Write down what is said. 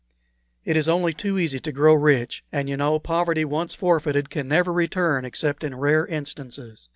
It is only too easy to grow rich; and, you know, poverty once forfeited can never return except in rare instances.